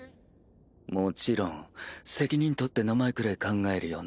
もちろん責任取って名前くらい考えるよな？